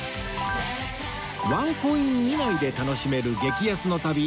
ワンコイン以内で楽しめる激安の旅